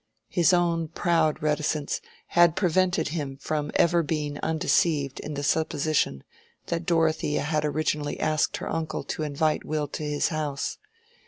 His own proud reticence had prevented him from ever being undeceived in the supposition that Dorothea had originally asked her uncle to invite Will to his house.